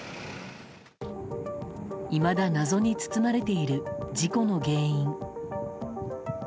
いまだ謎に包まれている事故の原因。